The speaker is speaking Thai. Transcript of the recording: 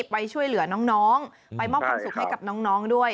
ไปช่วยเหลือน้องไปมอบความสุขให้กับน้องด้วย